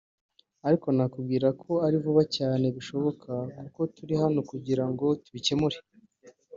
ariko nakubwira ko ari vuba cyane bishoboka kuko turi hano kugira ngo tubikemure